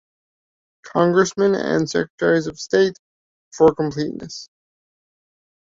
Congressmen and Secretaries of State for completeness.